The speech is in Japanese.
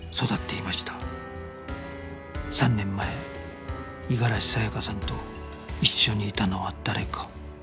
３年前五十嵐さやかさんと一緒にいたのは誰か